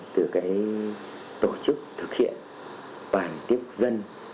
từ cái tổ chức thực hiện bàn tiếp dân